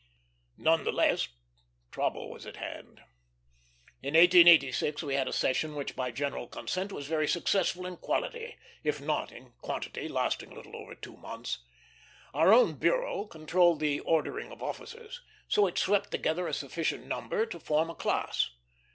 None the less, trouble was at hand. In 1886 we had a session which by general consent was very successful in quality, if not in quantity, lasting little over two months. Our own bureau controlled the ordering of officers, so it swept together a sufficient number to form a class.